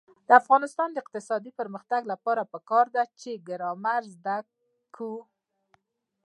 د افغانستان د اقتصادي پرمختګ لپاره پکار ده چې ګرامر زده کړو.